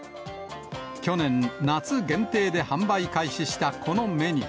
去年、夏限定で販売開始したこのメニュー。